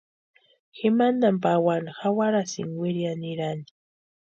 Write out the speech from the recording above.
Ji mantani pawani jawarasïnka wiriani nirani.